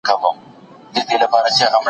هغوی ته د علم او پوهې د ترلاسه کولو توصیه وکړئ.